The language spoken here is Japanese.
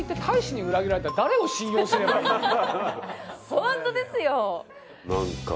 ホントですよ